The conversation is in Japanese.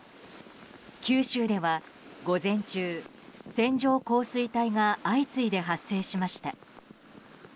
九州では午前中、線状降水帯が相次いで発生しました。